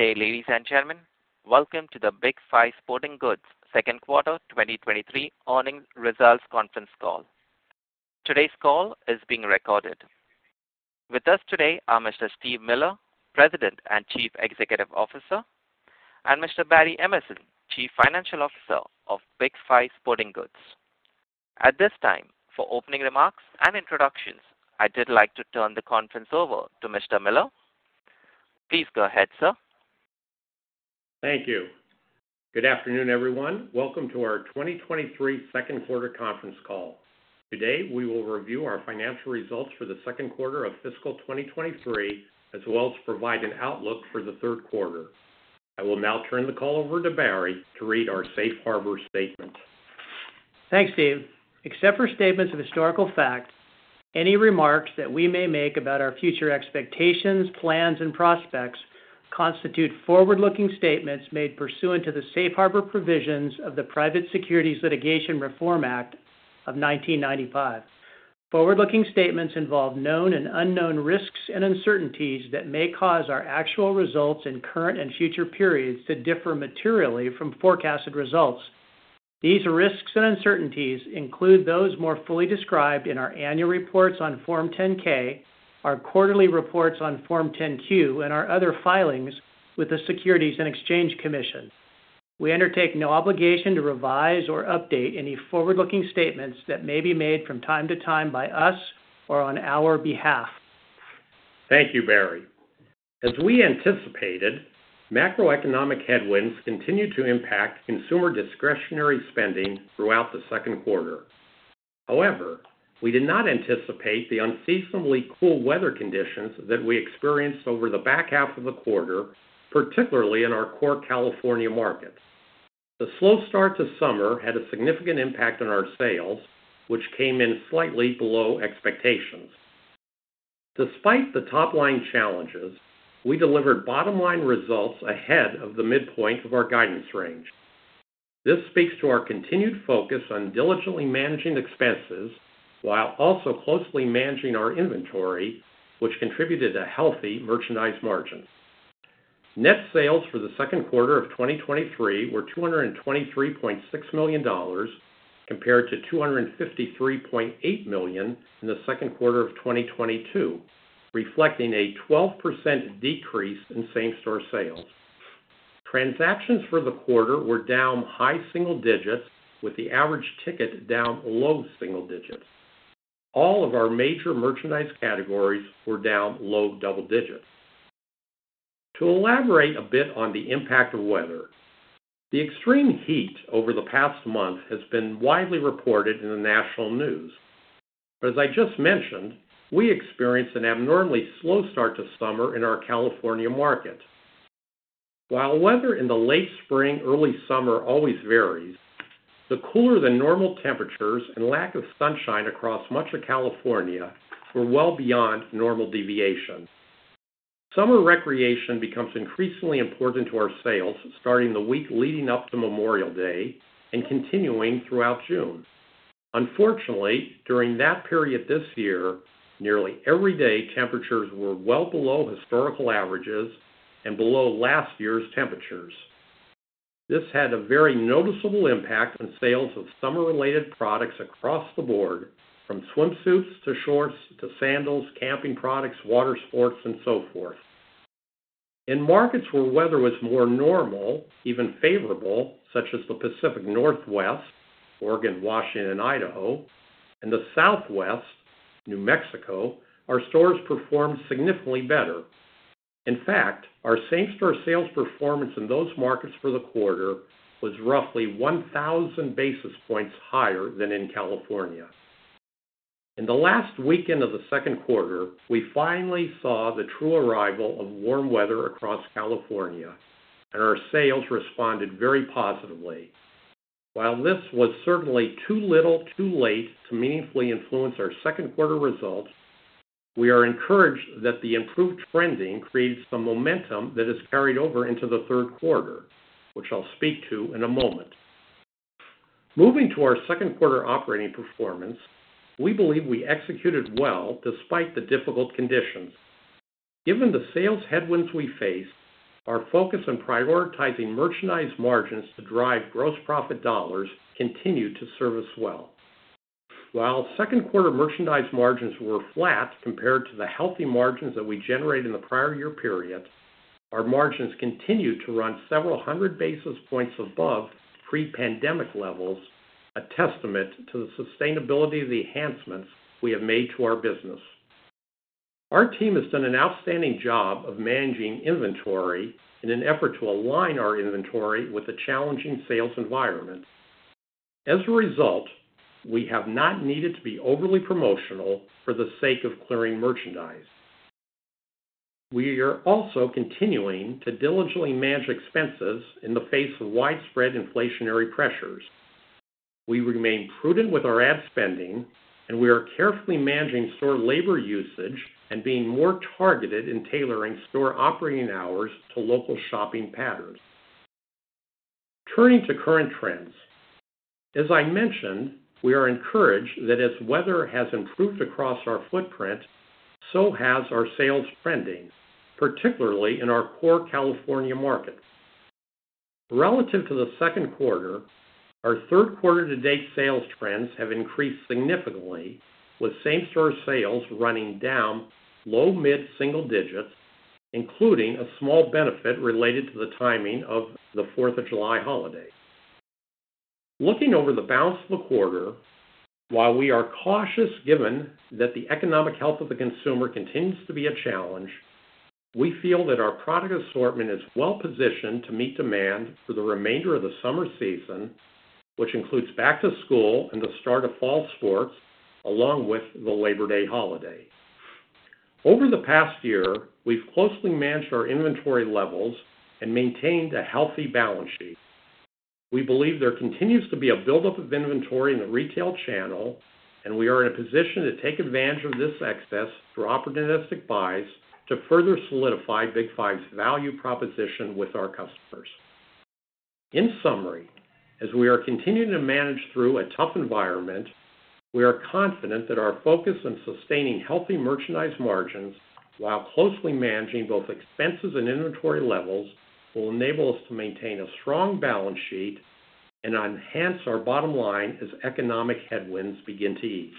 Good day, ladies and gentlemen. Welcome to the Big 5 Sporting Goods second quarter 2023 earnings results conference call. Today's call is being recorded. With us today are Mr. Steve Miller, President and Chief Executive Officer, and Mr. Barry Emerson, Chief Financial Officer of Big 5 Sporting Goods. At this time, for opening remarks and introductions, I did like to turn the conference over to Mr. Miller. Please go ahead, sir. Thank you. Good afternoon, everyone. Welcome to our 2023 second quarter conference call. Today, we will review our financial results for the second quarter of fiscal 2023, as well as provide an outlook for the third quarter. I will now turn the call over to Barry to read our safe harbor statement. Thanks, Steve. Except for statements of historical fact, any remarks that we may make about our future expectations, plans, and prospects constitute forward-looking statements made pursuant to the safe harbor provisions of the Private Securities Litigation Reform Act of 1995. Forward-looking statements involve known and unknown risks and uncertainties that may cause our actual results in current and future periods to differ materially from forecasted results. These risks and uncertainties include those more fully described in our annual reports on Form 10-K, our quarterly reports on Form 10-Q, and our other filings with the Securities and Exchange Commission. We undertake no obligation to revise or update any forward-looking statements that may be made from time to time by us or on our behalf. Thank you, Barry. As we anticipated, macroeconomic headwinds continued to impact consumer discretionary spending throughout the second quarter. However, we did not anticipate the unseasonably cool weather conditions that we experienced over the back half of the quarter, particularly in our core California markets. The slow start to summer had a significant impact on our sales, which came in slightly below expectations. Despite the top-line challenges, we delivered bottom-line results ahead of the midpoint of our guidance range. This speaks to our continued focus on diligently managing expenses while also closely managing our inventory, which contributed to healthy merchandise margins. Net sales for the second quarter of 2023 were $223.6 million, compared to $253.8 million in the second quarter of 2022, reflecting a 12% decrease in same-store sales. Transactions for the quarter were down high single digits, with the average ticket down low single digits. All of our major merchandise categories were down low double digits. To elaborate a bit on the impact of weather, the extreme heat over the past month has been widely reported in the national news, but as I just mentioned, we experienced an abnormally slow start to summer in our California market. While weather in the late spring, early summer always varies, the cooler-than-normal temperatures and lack of sunshine across much of California were well beyond normal deviations. Summer recreation becomes increasingly important to our sales starting the week leading up to Memorial Day and continuing throughout June. Unfortunately, during that period this year, nearly every day temperatures were well below historical averages and below last year's temperatures. This had a very noticeable impact on sales of summer-related products across the board, from swimsuits to shorts, to sandals, camping products, water sports, and so forth. In markets where weather was more normal, even favorable, such as the Pacific Northwest, Oregon, Washington, and Idaho, and the Southwest, New Mexico, our stores performed significantly better. In fact, our same-store sales performance in those markets for the quarter was roughly 1,000 basis points higher than in California. In the last weekend of the second quarter, we finally saw the true arrival of warm weather across California, and our sales responded very positively. While this was certainly too little, too late to meaningfully influence our second quarter results, we are encouraged that the improved trending creates some momentum that has carried over into the third quarter, which I'll speak to in a moment. Moving to our second quarter operating performance, we believe we executed well despite the difficult conditions. Given the sales headwinds we faced, our focus on prioritizing merchandise margins to drive gross profit dollars continued to serve us well. While second quarter merchandise margins were flat compared to the healthy margins that we generated in the prior year period, our margins continued to run several hundred basis points above pre-pandemic levels, a testament to the sustainability of the enhancements we have made to our business. Our team has done an outstanding job of managing inventory in an effort to align our inventory with a challenging sales environment. As a result, we have not needed to be overly promotional for the sake of clearing merchandise. We are also continuing to diligently manage expenses in the face of widespread inflationary pressures. We remain prudent with our ad spending, and we are carefully managing store labor usage and being more targeted in tailoring store operating hours to local shopping patterns. Turning to current trends. As I mentioned, we are encouraged that as weather has improved across our footprint, so has our sales trending, particularly in our core California market. Relative to the second quarter, our third quarter to date sales trends have increased significantly, with same-store sales running down low mid-single digits, including a small benefit related to the timing of the Fourth of July holiday. Looking over the balance of the quarter, while we are cautious given that the economic health of the consumer continues to be a challenge, we feel that our product assortment is well positioned to meet demand for the remainder of the summer season, which includes back to school and the start of fall sports, along with the Labor Day holiday. Over the past year, we've closely managed our inventory levels and maintained a healthy balance sheet. We believe there continues to be a buildup of inventory in the retail channel, and we are in a position to take advantage of this excess through opportunistic buys to further solidify Big 5's value proposition with our customers. In summary, as we are continuing to manage through a tough environment, we are confident that our focus on sustaining healthy merchandise margins while closely managing both expenses and inventory levels, will enable us to maintain a strong balance sheet and enhance our bottom line as economic headwinds begin to ease.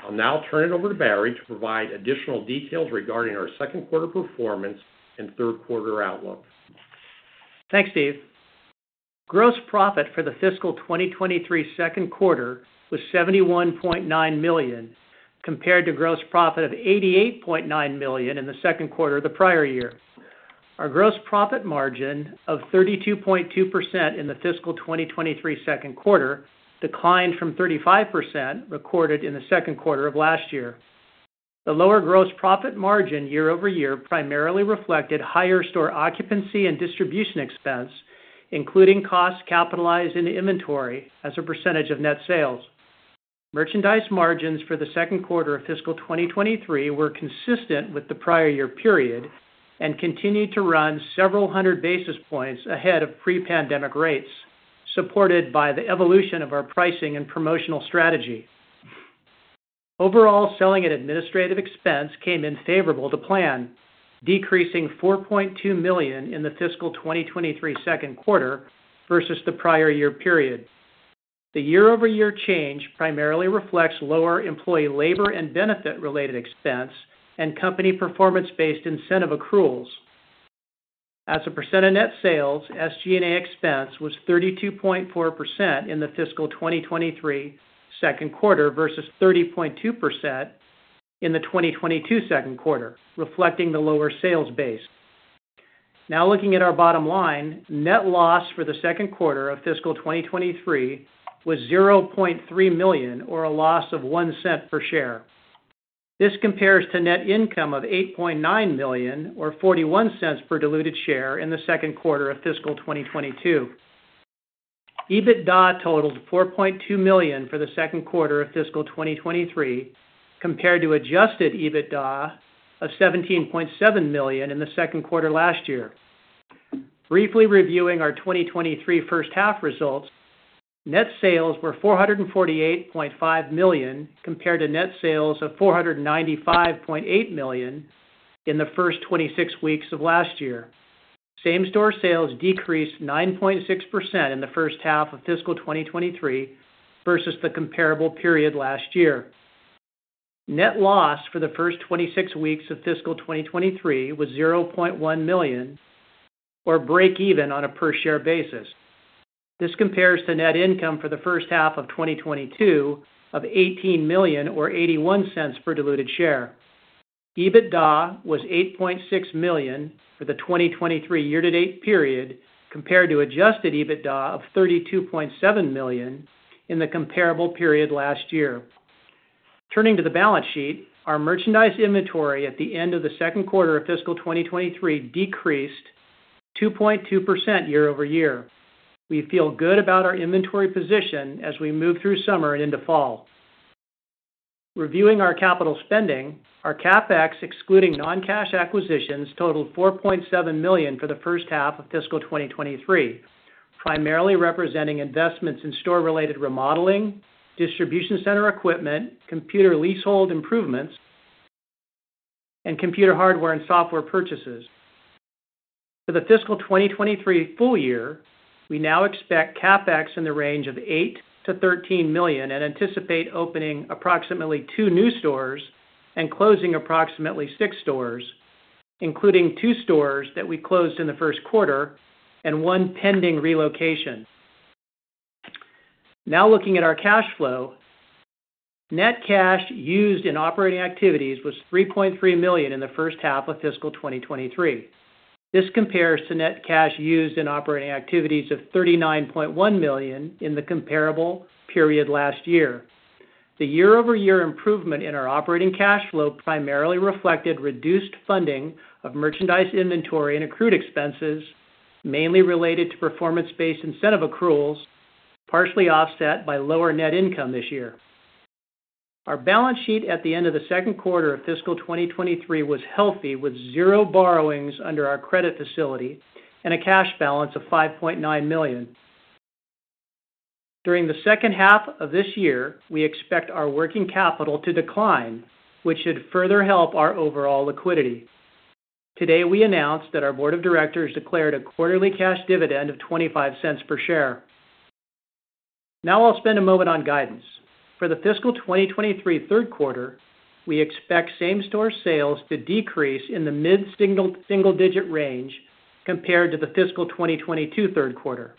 I'll now turn it over to Barry to provide additional details regarding our second quarter performance and third quarter outlook. Thanks, Steve. Gross profit for the fiscal 2023 second quarter was $71.9 million, compared to gross profit of $88.9 million in the second quarter of the prior year. Our gross profit margin of 32.2% in the fiscal 2023 second quarter declined from 35% recorded in the second quarter of last year. The lower gross profit margin year-over-year, primarily reflected higher store occupancy and distribution expense, including costs capitalized into inventory as a percentage of net sales. Merchandise margins for the second quarter of fiscal 2023 were consistent with the prior year period and continued to run several hundred basis points ahead of pre-pandemic rates, supported by the evolution of our pricing and promotional strategy. Overall, selling and administrative expense came in favorable to plan, decreasing $4.2 million in the fiscal 2023 second quarter versus the prior year period. The year-over-year change primarily reflects lower employee labor and benefit-related expense and company performance-based incentive accruals. As a percent of net sales, SG&A expense was 32.4% in the fiscal 2023 second quarter versus 30.2% in the 2022 second quarter, reflecting the lower sales base. Now, looking at our bottom line, net loss for the second quarter of fiscal 2023 was $0.3 million or a loss of $0.01 per share. This compares to net income of $8.9 million or $0.41 per diluted share in the second quarter of fiscal 2022. EBITDA totaled $4.2 million for the second quarter of fiscal 2023, compared to adjusted EBITDA of $17.7 million in the second quarter last year. Briefly reviewing our 2023 first half results, net sales were $448.5 million, compared to net sales of $495.8 million in the first 26 weeks of last year. Same-store sales decreased 9.6% in the first half of fiscal 2023 versus the comparable period last year. Net loss for the first 26 weeks of fiscal 2023 was $0.1 million, or breakeven on a per-share basis. This compares to net income for the first half of 2022 of $18 million or $0.81 per diluted share. EBITDA was $8.6 million for the 2023 year-to-date period, compared to adjusted EBITDA of $32.7 million in the comparable period last year. Turning to the balance sheet, our merchandise inventory at the end of the second quarter of fiscal 2023 decreased 2.2% year-over-year. We feel good about our inventory position as we move through summer and into fall. Reviewing our capital spending, our CapEx, excluding non-cash acquisitions, totaled $4.7 million for the first half of fiscal 2023, primarily representing investments in store-related remodeling, distribution center equipment, computer leasehold improvements, and computer hardware and software purchases. For the fiscal 2023 full-year, we now expect CapEx in the range of $8 million-$13 million and anticipate opening approximately two new stores and closing approximately six stores, including two stores that we closed in the first quarter and one pending relocation. Now, looking at our cash flow, net cash used in operating activities was $3.3 million in the first half of fiscal 2023. This compares to net cash used in operating activities of $39.1 million in the comparable period last year. The year-over-year improvement in our operating cash flow primarily reflected reduced funding of merchandise inventory and accrued expenses, mainly related to performance-based incentive accruals, partially offset by lower net income this year. Our balance sheet at the end of the second quarter of fiscal 2023 was healthy, with zero borrowings under our credit facility and a cash balance of $5.9 million. During the second half of this year, we expect our working capital to decline, which should further help our overall liquidity. Today, we announced that our board of directors declared a quarterly cash dividend of $0.25 per share. Now I'll spend a moment on guidance. For the fiscal 2023 third quarter, we expect same-store sales to decrease in the mid-single, single-digit range compared to the fiscal 2022 third quarter.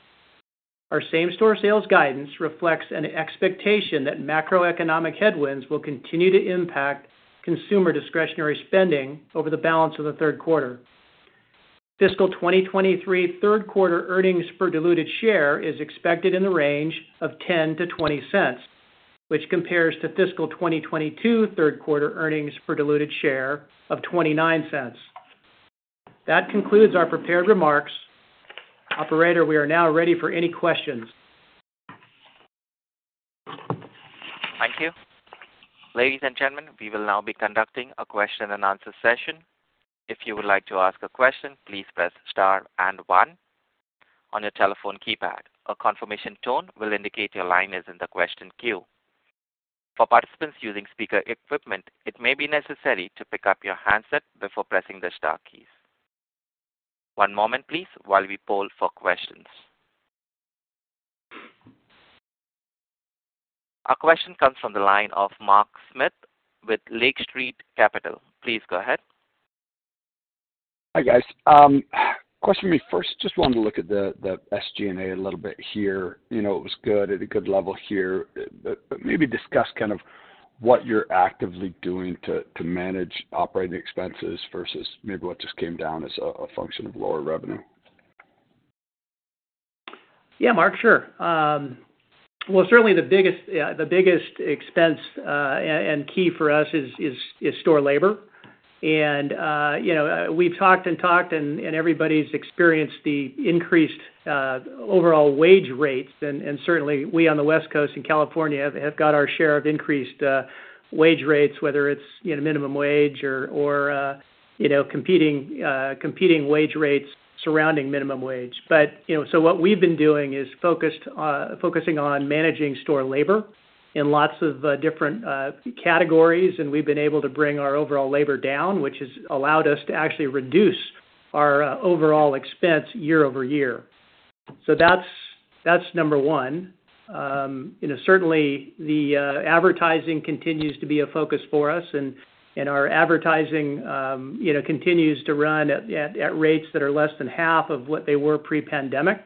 Our same-store sales guidance reflects an expectation that macroeconomic headwinds will continue to impact consumer discretionary spending over the balance of the third quarter. Fiscal 2023 third quarter earnings per diluted share is expected in the range of $0.10-$0.20, which compares to fiscal 2022 third quarter earnings per diluted share of $0.29. That concludes our prepared remarks. Operator, we are now ready for any questions. Thank you. Ladies and gentlemen, we will now be conducting a question-and-answer session. If you would like to ask a question, please press star and one on your telephone keypad. A confirmation tone will indicate your line is in the question queue. For participants using speaker equipment, it may be necessary to pick up your handset before pressing the star keys. One moment please, while we poll for questions. Our question comes from the line of Mark Smith with Lake Street Capital. Please go ahead. Hi, guys. question me first, just wanted to look at the, the SG&A a little bit here. You know, it was good, at a good level here, but, but maybe discuss kind of what you're actively doing to, to manage operating expenses versus maybe what just came down as a, a function of lower revenue. Mark, sure. Well, certainly the biggest, yeah, the biggest expense, and, and key for us is, is, is store labor. You know, we've talked and talked and, and everybody's experienced the increased overall wage rates. Certainly we on the West Coast in California have, have got our share of increased wage rates, whether it's, you know, minimum wage or, or, you know, competing competing wage rates surrounding minimum wage. You know, what we've been doing is focusing on managing store labor in lots of different categories, and we've been able to bring our overall labor down, which has allowed us to actually reduce our overall expense year over year. That's, that's number one. You know, certainly the advertising continues to be a focus for us, and our advertising, you know, continues to run at rates that are less than half of what they were pre-pandemic.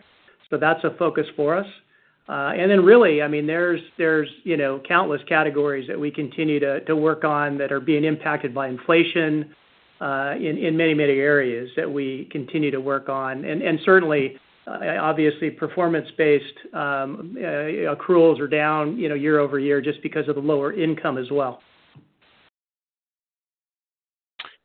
That's a focus for us. Then really, I mean, there's, you know, countless categories that we continue to work on that are being impacted by inflation, in many, many areas that we continue to work on. Certainly, obviously, performance-based accruals are down, you know, year-over-year just because of the lower income as well.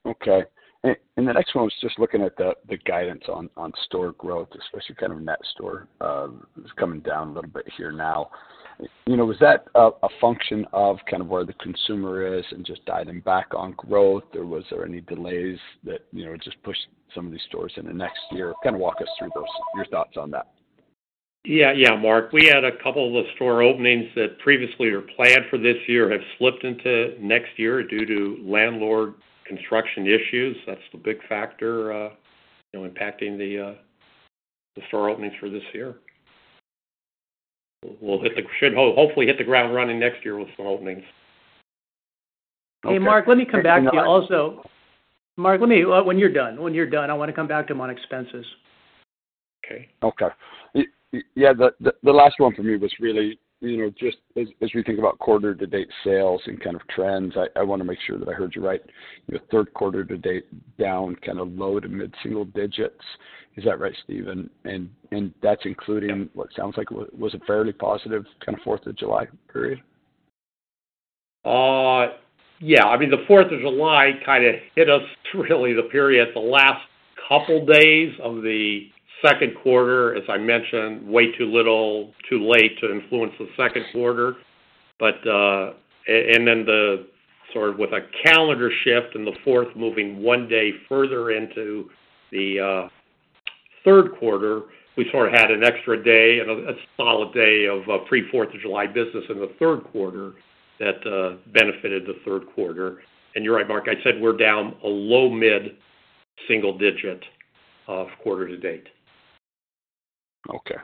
Okay. The next one was just looking at the, the guidance on, on store growth, especially kind of net store, it's coming down a little bit here now. You know, was that a, a function of kind of where the consumer is and just dialing back on growth, or was there any delays that, you know, just pushed some of these stores in the next year? Kind of walk us through those, your thoughts on that. Yeah. Yeah, Mark, we had a couple of store openings that previously were planned for this year, have slipped into next year due to landlord construction issues. That's the big factor, impacting the store openings for this year. Should hopefully hit the ground running next year with store openings. Okay. Hey, Mark, let me come back to you also. Mark, when you're done, when you're done, I wanna come back to him on expenses. Okay. Okay. Yeah, the, the last one for me was really, you know, just as, as we think about quarter-to-date sales and kind of trends, I wanna make sure that I heard you right. Your third quarter to date down, kind of low to mid-single digits. Is that right, Steve? that's including what sounds like was a fairly positive kind of Fourth of July period. Yeah. I mean, the Fourth of July kinda hit us through really the period, the last couple days of the second quarter, as I mentioned, way too little, too late to influence the second quarter. Then the sort of with a calendar shift and the Fourth moving one day further into the third quarter, we sort of had an extra day and a solid day of pre-fourth of July business in the third quarter that benefited the third quarter. You're right, Mark, I said we're down a low, mid-single digit of quarter to date. Okay,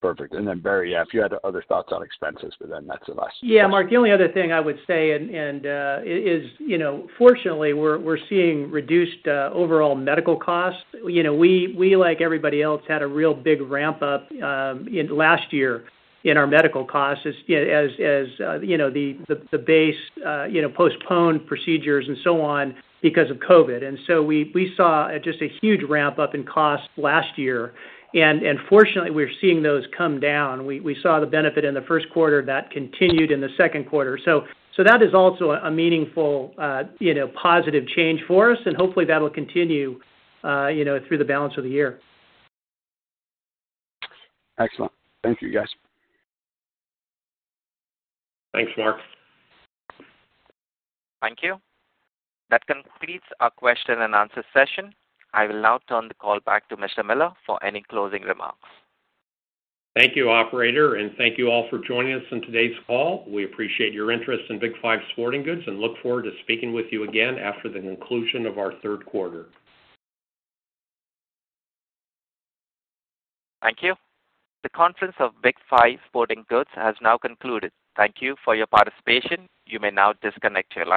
perfect. Then, Barry, yeah, if you had other thoughts on expenses, but then that's the last. Yeah, Mark, the only other thing I would say is, you know, fortunately, we're seeing reduced overall medical costs. You know, we, like everybody else, had a real big ramp up last year in our medical costs as, you know, the base, you know, postponed procedures and so on because of COVID. So we saw just a huge ramp up in costs last year, fortunately, we're seeing those come down. We saw the benefit in the first quarter, that continued in the second quarter. So that is also a meaningful, you know, positive change for us, and hopefully, that will continue, you know, through the balance of the year. Excellent. Thank you, guys. Thanks, Mark. Thank you. That completes our question-and-answer session. I will now turn the call back to Mr. Miller for any closing remarks. Thank you, operator. Thank you all for joining us on today's call. We appreciate your interest in Big 5 Sporting Goods and look forward to speaking with you again after the conclusion of our third quarter. Thank you. The conference of Big 5 Sporting Goods has now concluded. Thank you for your participation. You may now disconnect your line.